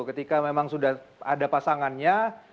ketika memang sudah ada pasangannya